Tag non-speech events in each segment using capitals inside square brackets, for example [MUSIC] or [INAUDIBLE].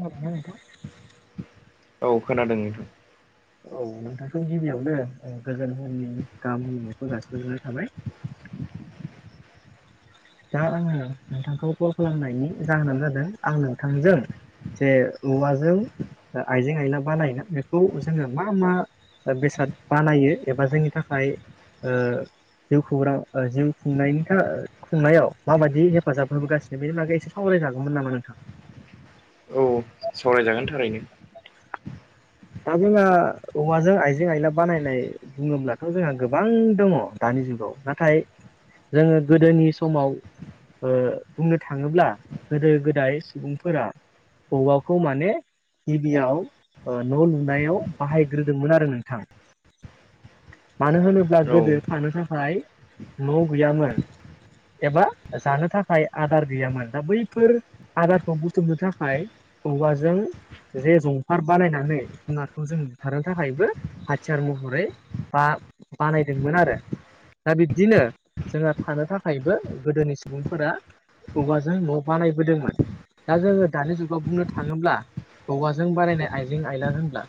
औ नोंथां [INAUDIBLE] औ खोनादों नोंथां औ नोंथां गिबियावनो गोजोन फुंबिलिनि गाहाम हामनायखौ जासिहरनाय थाबाय दा आङो नोंथांखौ कल खालामनायनि जाहोनानो जादों आं नोंथांजों जे औवाजों आइजें आइला बानायनायना बेखौ जोङो मा मा बेसाद बानायो एबा जोंनि थाखाय ओ जिउ खौरां जिउ खुंनायनि था खुंनायाव माबायदि हेफाजाब होबोगासिनो बेनि बागै एसे सावराय जागौमोन नामा नोंथां? सावराय जागोन थारैनो दा जोंहा औवाजों आइजें आइला बानायनाय बुङोब्लाथ' जोंहा गोबां दङ दानि जुगाव नाथाय जोङो गोदोनि समाव ओ बुंनो थाङोब्ला गोदो गोदाय सुबुंफोरा औवाखौ माने गिबियाव ओ न' लुनायाव बाहायग्रोदोंमोन आरो नोंथां मानो होनोब्ला औ गोदो थानो थाखाय न' गैयामोन एबा जानो थाखाय आदार गैयामोन दा बैफोर आदारखौ बुथुमनो थाखाय औवाजों जे जंफार बानायनानै जुनारखौ जों बुथारनो थाखायबो हाथियार महरै बा बानायदोंमोन आरो दा बिब्दिनो जोंहा थानो थाखायबो गोदोनि सुबुंफोरा औवाजों न' बानायबोदोंमोन दा जोङो दानि जुगाव बुंनो थाङोब्ला औवाजों बानायनाय आइजें आइला होनब्ला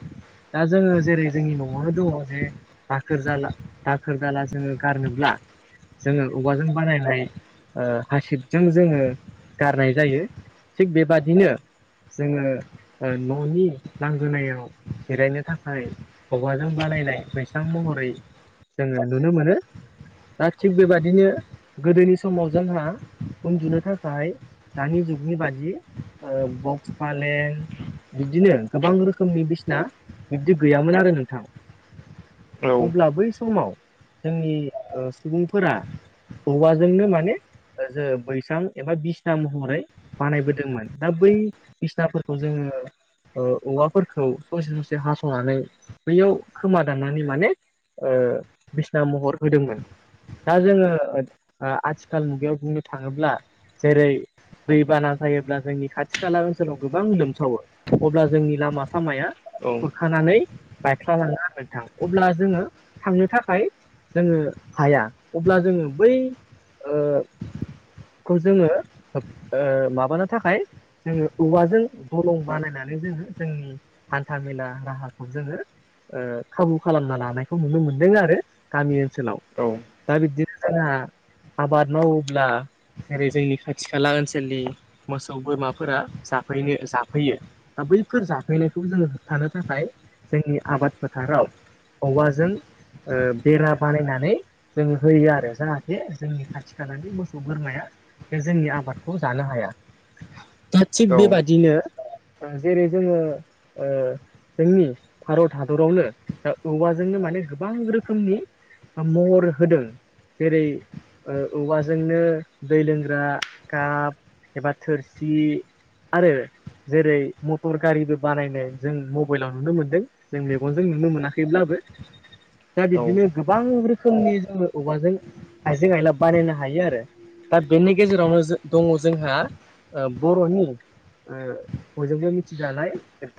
दा जोङो जेरै जोंनि न'वावनो दङ जे दाखोर जाला दाखोर जाला जोङो गारनोब्ला जोङो औवाजों बानायनाय ओ हासिबजों जोङो गारनाय जायो थिग बेबादिनो जोङो न'नि लांगोनायाव जिरायनो थाखाय औवाजों बानायनाय बैसां महरै जोङो नुनो मोनो दा थिग बेबादिनो गोदोनि समाव जोंहा उन्दुनो थाखाय दानि जुगनि बादि ओ बक्स पालें बिदिनो गोबां रोखोमनि बिसिना बिबदि गैयामोन आरो नोंथां औ अब्ला बै समाव जोंनि सुबुंफोरा औवाजोंनो माने जो बैसां एबा बिसना महरै बानायबोदोंमोन दा बै बिसनाफोरखौ जोङो ओ औवाफोरखौ ससे ससे हास'नानै बैयाव खोमा दाननानै माने ओ बिसना महर होदोंमोन। दा जोङो आथिखाल मुगायाव बुंनो थाङोब्ला जेरै दैबाना जायोब्ला जोंनि खाथि खाला ओनसोलाव गोबां लोमसावो अब्ला जोंनि लामा सामाया औ खुरखानानै बाइख्ला लाङो आरो नोंथां अब्ला जोङो थांनो थाखाय जोङो हाया अब्ला जोङो बै ओ खौ जोङो ओ माबानो थाखाय जोङो औवाजों दलं बानायना नै जोङो जोंनि हान्था मेला राहाखौ जोङो ओ खाबु खालामना लानायखौ नुनो मोनदों आरो गामि ओनसोलाव औ दा बिदिनो जोंहा आबाद मावोब्ला जेरै जोंनि खाथि खाला ओनसोलनि मोसौ बोरमाफोरा जाफैनो जाफैयो। दा बैफोर जाफैनायखौ जोङो होबथानो थाखाय जोंनि आबाद फोथाराव औवाजों ओ बेरा बानायनानै जोङो होयो आरो जाहाथे जोंनि खाथि खालानि मोसौ बोरमाया बे जोंनि आबादखौ जानो हाया दा थिग बेबादिनो जेरै जोङो ओ। जोंनि भारत हादरावनो दा औवाजोंनो माने गोबां रोखोमनि महर होदों जेरै औवाजोंनो दै लोंग्रा काप एबा थोरसि आरो जेरै मटर गारिबो बानायनाय जों मबाइलाव नुनो मोनदों जों मेगनजों नुनो मोनाखैब्लाबो दा औ बिदिनो गोबां रोखोमनि जोङो औवाजों आइजें आइला बानायनो हायो आरो दा बेनि गेजेरावनो दङ जोंहा बर'नि बयजोंबो मिथिजानाय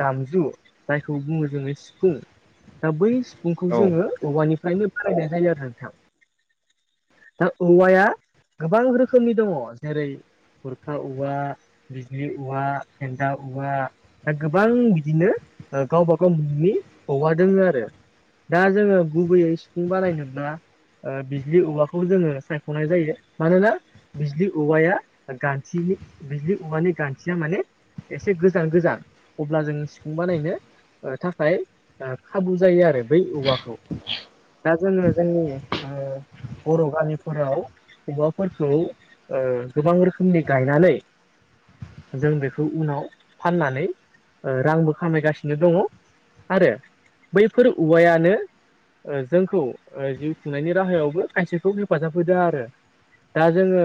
दामजु जायखौ बुङो जोङो सिफुं दा बै सिफुंखौ जोङो औवानिफ्रायनो फरायनाय जायो आरो नोंथां दा औवाया गोबां रोखोमनि दङ जेरै खुरखा औवा बिजलि औवा गन्न्दा औा दा गोबां बिदिनो गावबा गाव ननि हगा दों आरो दा जोङो गुबैयै सिफुं बानायनो बिजलि औवाखौ जोङो सायख'नाय जायो मानोना बिजलि औवाया गान्थिनि बिजलि औवानि गान्थिया माने एसे गोजान गोजान अब्ला जों सिफुं बानायनो ओ थाखाय खाबु जायो आरो बै औवाखौ दा जोङो जोंनि ओ बर' गामिफोराव औवाफोरखौ ओ गोबां रोखोमनि गायनानै जों बेखौ उनाव फाननानै ओ रांबो खामायगासिनो दङ। आरो बैफोर औवायानो जोंखौ जिउ खुंनायनि राहायावबो खायसेखौ हेफाजाब होदों आरो दा जोङो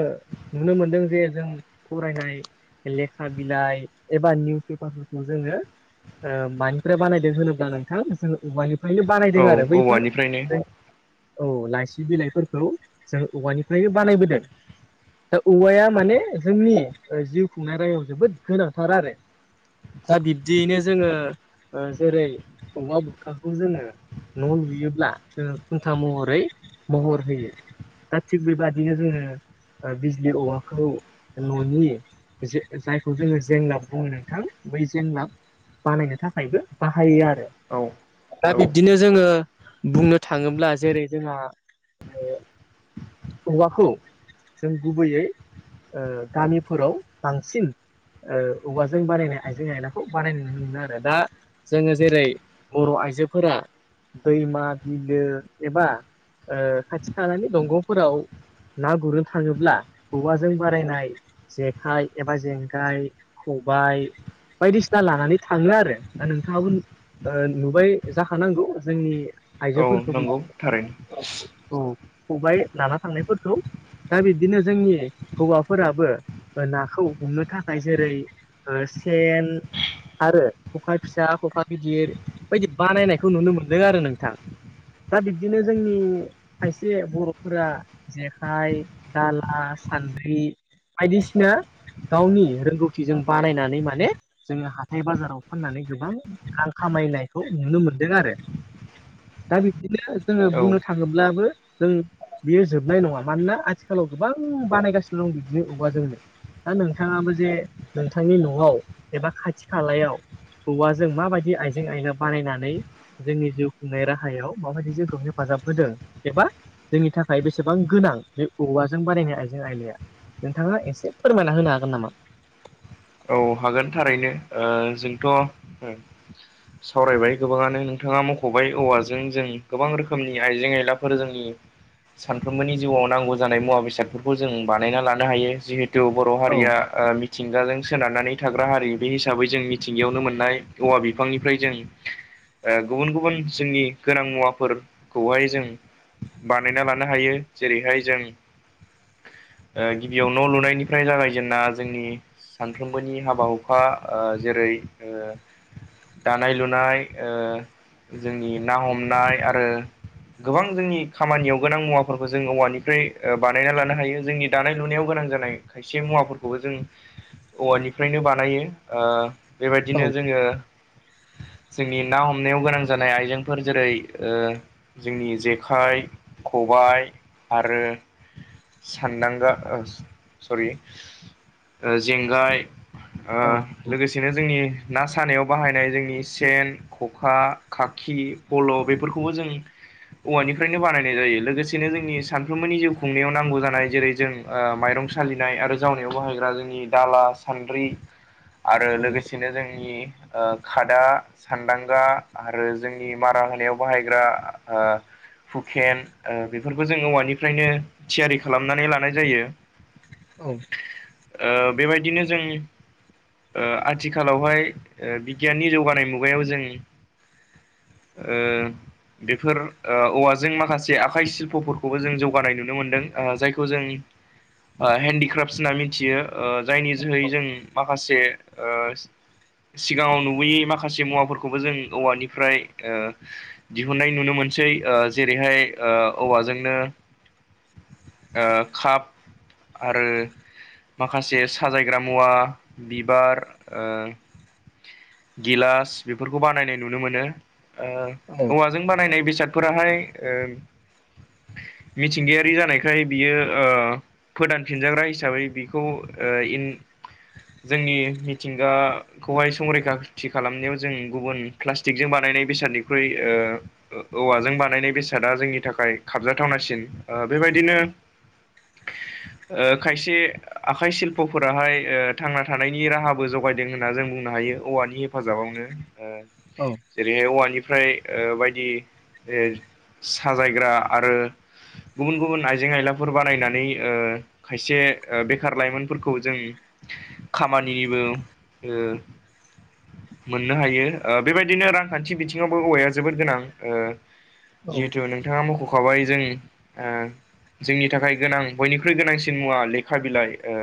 नुनो मोनदों जे जों फरायनाय लेखा बिलाइ एबा निउस पेपारफोरखौ जोङो मानिफ्राय बानायदों होनोब्ला नोंथां जो ओयेनो बानायदों औ आरो बैफोर औवानिफ्रायनो औ लाइसि बिलाइफोरखौ जों औवानिफ्राय बानायबोदों। दा औवाया माने जोंनि जिउ खुंनाय रायायाव जोबोद गोनांथार आरो दा बिब्दियैनो जोङो जेरै अमा बथखाखौ जोङो न' लुयोब्ला जों खुन्था महरै महर होयो। दा थिग बे बादिनो जोंङो बिजलि औवाखौ न'नि जायखौ जोङो जोंलाब बुङ नोंथां बै जोंलाब बानायनो थाखायबो बाहायो आरो। औ दा औ बिब्दिनो जोङो बुंनो थाङोब्ला जेरै जोंहा हौवाखौ जों गुबैयै गामिफोराव बांसिन औवाजों बानायनाय आइजें आयलाखौ बानायनाय नुनो मोनो आरो दा जोङो जेरै बर' आइजोफोरा दैमा बिलो एबा खाथि खाानानै दंग' फोराव ना गुरनो थाङोब्ला औवाजों बारायनाय जेखाइ एबा जेंगाइ खबाइ बायदिसिना लानानै थाङो आरो दा नोंथाङाबो नुबाय जाखानांगौ जोंनि औ आइजोफोरखौ बिदि नंगौ थारैनो औ खबबाय लाना फांनायफोरखौ दा बिदिनो जोंनि हौवाफोराबो नाखौ हमनो थाखाय जेरै ओ सेन आरो खखा फिसा खखा गिदिर बे बायदि बानायनायखौ नुनो मोन्दों आरो नोंथां। दा बिब्दिनो जोंनि खायसे बर' फोरा जेखाइ दाला सान्द्रि बायदिसिना गावनि रोंगौथिजों बानायनानै माने जोङो हाथाय बाजाराव फाननानै गोबां आं खामायनायखौ नुनो मोनदों आरो दा बिदिनो जोङो औ बुंनो थाङोब्लाबो जों बेयो जोबनाय नङा मानोना आथिखालाव गोबां बानायगासिनो दं बिदिनो बबेबा जोंनो दा नोंथाङाबो जे नोंथांनि न'आव एबा खाथि खालायाव औवाजों माबायदि आयजें आयला बानायनानै जोंनि जिउ खुंनाय राहायाव माबायदि जोंखौ हेफाजाब होदों एबा जोंनि थाखाय बेसेबां गोनां बे औवाजों बानायायनाय आइजें आयलाया? नोंथाङा एसे फोरमायना होनो हागोन नामा? औ हागोन थारैनो ओ जोंथ' [INAUDIBLE] सावरायबाय गोबाङानो नोंथाङा मख'बाय औवाजों जों गोबां रोखोमनि आइजें आइलाफोर जोंनि सानफ्रोमबोनि जिउआव नांगौ जानाय मुवा बेसादफोरखौ जों बानायना लानो हायो जे थे बर' औ हारिया ओ मिथिंगाजों सोनारनानै थाग्रा हारि बे हिसाबै जों मिथिंगायावनो मोननाय औवा बिफांनिफ्राय जों गुबुन गुबुन जोंनि गोनां मुवाफोरखौहाय जों बानायना लानो हायो जेरैहाय जों गिबियाव न' लुनायनिफ्राय जागायजेनना जोंनि सानफ्रोमबोनि हाबा हुखा ओ जेरै दानाय लुनाय ओ जोंनि ना हमनाय आरो गोबां जोंनि खामानियाव गोनां मुवाफोरखौ जों औवानिफ्राय बानायना लानो हायो जोंनि दानाय लुनायाव गोनां जानाय खायसे मुवाफोरखौबो जों औवानिफ्रायनो बानायो ओ औ बेबायदिनो जोङो जोंनि ना हमनायाव गोनां जानाय आइजेंफोर जेरै ओ जोंनि जेखाइ खबाइ आरो सानदांगा ओ सरि ओ जे जाय औ लोगोसेनो जोंनि ना सानायाव बाहायनाय जोंनि सेन खखा खाखि फल' बेफोरखौबो जों औवानिफ्रायनो बानायनाय जायो लोगोसेनो जोंनि सानफ्रोमबोनि जिउ खुंनायाव नांगौ जानाय जेरै जों ओ माइरं सालिनाय आरो जावनायाव बाहायग्रा जोंनि दाला सान्द्रि आरो लोगोसेनो जोंनि ओ खादा सान्दांगा आरो जोंनि मारा होनायाव बाहायग्रा ओ हुकेन बेफोरखौ जोङो औवानिफ्रायनो थियारि खालामनानै लानाय जायो। औ ओ बेबायदिनो जों ओ आथिखालावहाय बिगियाननि जौगानाय मुगायाव जों ओ बेफोर औवाजों माखासे आखाइ सिल्पफोरखौबो जों जौगानाय नुनो मोनदों ओ जायखौ जों हेन्डक्राफ्टस होनना मिथियो ओ जायनि जोहै जों माखासे ओ सिगाङाव नुबोयै माखासे मुवाफोरखौबो जों औवानिफ्राय ओ दिहुननाय नुनो मोनसै ओ जेरैहाय ओ औवाजोंनो ओ काप आरो माखासे साजायग्रा मुवा बिबार गिलास बेफोरखौ बानायनाय नुनो मोनो। ओ औवाजों बानायनाय बेसादफोराहाय ओ मिथिंगायारि जानायखाय बियो ओ फोदानफिनजाग्रा हिसाबै बिखौ खौ ओ इन जोंनि मिथिंगा खौहाय संरैखाथि खालामनायाव जों गुबुन प्लास्टिकजों बानायनाय बेसादनिख्रुइ ओ ओ औवाजों बानायनाय बेसादा जोंनि थाखाय खाबजाथावनासिन ओ बेबायदिनो ओ खायसे आखाइ सिल्प'फोराहाय ओ थांना थानायनि राहाबो जगायदों होनना जों बुंनो हायो औवानि हेफाजाबावनो। ओ औ जेरैहाय औवानिफ्राय ओ बायदि ओ साजायग्रा आरो गुबुन गुबुन आइजें-आइलाफोर बानायनानै ओ खायसे ओ बे बेखार लाइमोनफोरखौ जों खामानिनिबो ओ मोननो हायो ओ बेबायदिनो रांखान्थि बिथिङावबो औवाया जोबोद गोनां ओ औ जिहेथु नोंथाङा मख'खाबाय जों ओ जोंनि थाखाय गोनां बयनिख्रुइ गोनांसिन मुवा लेखा बिलाइ ओ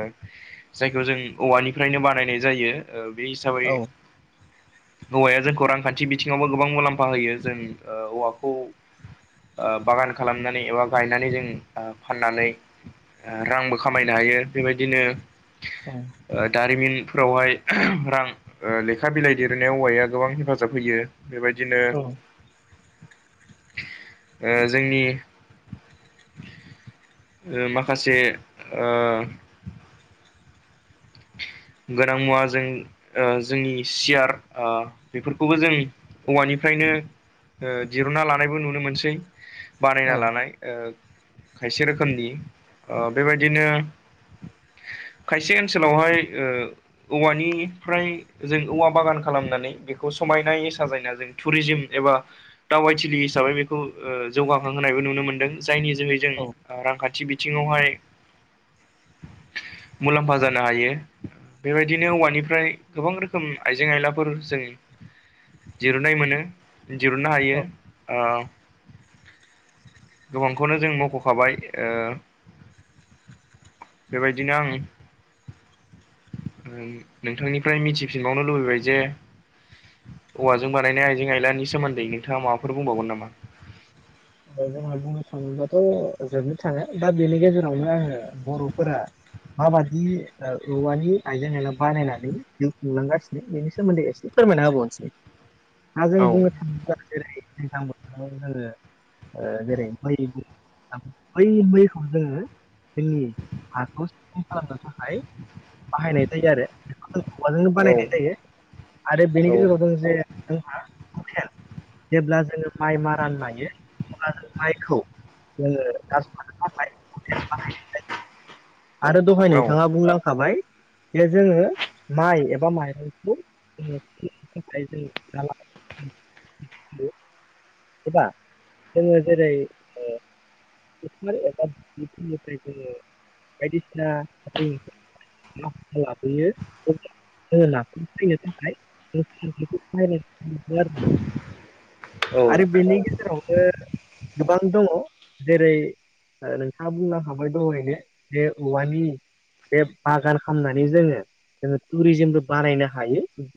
जायखौ जों औवानिफ्रायनो बानायनाय जायो ओ बे हिसाबै औवाया जोंखौ रांखान्थि बिथिङावबो गोबां मुलाम्फा होयो जों ओ औवाखौ ओ बागान खालामनानै एबा गायनानै जों ओ फाननानै ओ रांबो खामायनो हायो बेबायदिनो ओ दारिमिनफोरावहाय रां ओ लेखा बिलाइ देरनाय औवाया गोबां हेफाजाब होयो। बेबायदिनो ओ जोंनि ओ माखासे ओ गोनां मुवा जों ओ जोंनि सियार ओ बेफोरखौबो जों औवानिफ्रायनो ओ दिरुनना लानायबो नुनो मोनसै औ बानायना लानाय। ओ खायसे रोखोमनि ओ बेबायदिनो खायसे ओनसोलावहाय ओ औवानिफ्राय ओ जों औवा बागान खालामनानै बेखौ समायनायै साजायना जों टुरिजिम एबा दावबायथिलि हिसाबै बेखौ ओ जौगाखांहोनायबो नुनो मोन्दों जायनि जोहै जों औ ओ रांखान्थि बिथिङावहाय [INAUDIBLE] मुलाम्फा जागो नो हायो बेबायदिनो औवानिफ्राय गोबां रोखोम आइजें आइलाफोर जों दिरुनाय मोनो दिरुननो औ हायो ओ गोबांखौनो जों मख'खाबाय ओ बेबायदिनो आं ओम नोंथांनिफ्राय मिथिफिनबावनो लुबैबाय जे औ औवाजों बानायनाय आइजें आइलानि सोमोन्दै नोंथाङा माबाफोर बुंबावगोन नामा? ओ जोंहा बुंनो थाङोबाथ' जोबनो थाङो दा बेनि गेजेरावनो आङो बर'फोरा माबादि ओ औवानि आइजें आइला बानायनानै जिउ खुंलांगासिनो बेनि सोमोन्दै एसे फोरमायना होबावनोसै दा जों औ बुंनो थाङोब्ला जेरै दैज्लां बोथोराव जोङो ओ जेरै बै ओ बै मैखौ जोङो जोंनि हाखौ साबसिन खालामनो थाखाय बाहायनाय जायो आरो बेखौ जों औवाजोंनो औ बानायनाय जायो आरो बेनि औ गेजेराव जों जे जोंहा हुखेन जेब्ला जोङो माइ मारान नायो अब्ला जों माइखौ जोङो [UNINTELLIGIBLE] थाखाय हुखेन बाहायनाय जायो। आरो दहाय नोंथाङा बुंलांखाबाय बे जोङो माइ एबा माइरंखौ [INAUDIBLE] एबा जोङो जेरै ओ [INAUDIBLE] बायदिसिना [INAUDIBLE] [UNINTELLIGIBLE] [UNINTELLIGIBLE] औ औ आरो बेनि गेजेरावनो गोबां दङ जेरै ओ नोंथाङा बुंनो हाबाय दहायनो बेे औवानि बे बागान खालामनानै जोङो जोङो टुरिजिमबो बानायनो हायो।